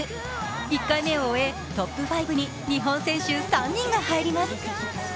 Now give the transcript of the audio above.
１回目を終え、トップ５に日本選手３人が入ります。